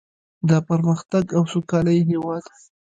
د پرمختګ او سوکالۍ هیواد.